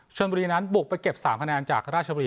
ชนบุรีนั้นบุกไปเก็บ๓คะแนนจากราชบุรี